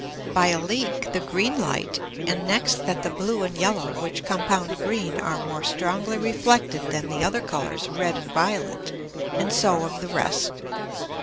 By a Leek the green Light, and next that the blue and yellow which compound green, are more strongly reflected than the other Colours red and violet, and so of the rest.